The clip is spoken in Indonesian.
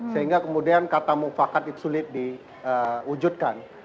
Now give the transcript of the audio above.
sehingga kemudian kata mufakat itu sulit diwujudkan